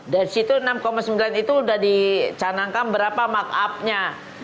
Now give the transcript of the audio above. dari situ enam sembilan itu sudah dicanangkan berapa markupnya